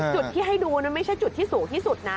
จุดที่ให้ดูมันไม่ใช่จุดที่สูงที่สุดนะ